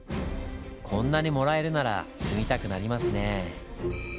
こんなにもらえるなら住みたくなりますねぇ。